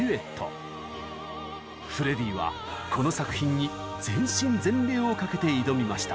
フレディはこの作品に全身全霊を懸けて挑みました。